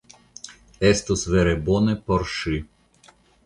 Estus vere bone por ŝi.